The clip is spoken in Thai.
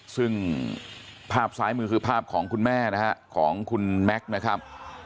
ซึ่งภาพซ้ายมือคือภาพของคุณแม่นะฮะของคุณแม็กซ์นะครับ